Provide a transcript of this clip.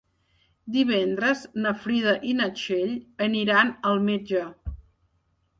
Divendres na Frida i na Txell aniran al metge.